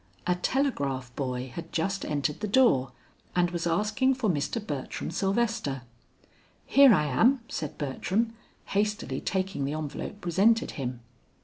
A telegraph boy had just entered the door and was asking for Mr. Bertram Sylvester. "Here I am," said Bertram, hastily taking the envelope presented him.